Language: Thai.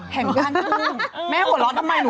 แข่งบ้านทุ่งแม่หัวเราะทำไมหนู